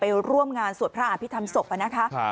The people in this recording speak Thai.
ไปร่วมงานสวดพระอาพิธรรมศพแล้วนะคะ